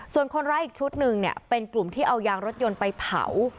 ส่วนคนร้ายอีกชุดหนึ่งเนี่ยเป็นกลุ่มที่เอายางรถยนต์ไปเผา